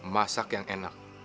masak yang enak